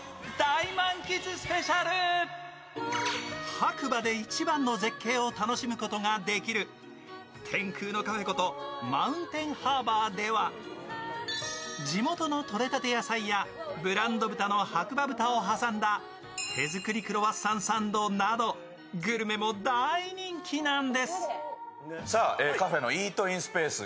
白馬で一番の絶景を楽しむことができる天空のカフェことマウンテンハーバーでは地本のとれたて野菜やブランド豚の白馬豚を挟んだ手作りクロワッサンサンドなど、意地悪されてるやん。